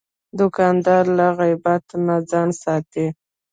دوکاندار له غیبت نه ځان ساتي.